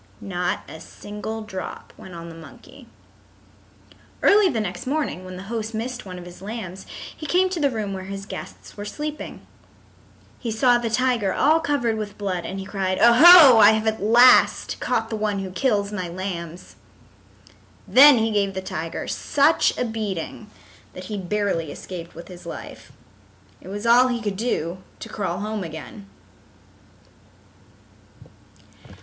Not a single drop went on the monkey. Early the next morning when the host missed one of his lambs he came to the room where his guests were sleeping. He saw the tiger all covered with blood and he cried, "O ho, I have at last caught the one who kills my lambs." Then he gave the tiger such a beating that he barely escaped with his life. It was all he could do to crawl home again.